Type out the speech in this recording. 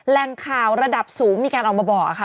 แรงข่าวระดับสูงมีการออกมาบอกค่ะ